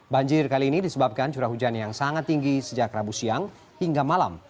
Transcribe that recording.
banjir kali ini disebabkan curah hujan yang sangat tinggi sejak rabu siang hingga malam